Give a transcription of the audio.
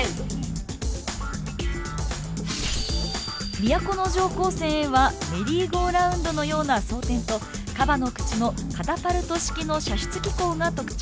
都城高専Ａはメリーゴーラウンドのような装填とカバの口のカタパルト式の射出機構が特徴。